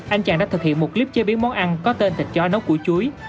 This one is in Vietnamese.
anh chàng đã thực hiện một clip chế biến món ăn có tên thịt chó nấu củ chuối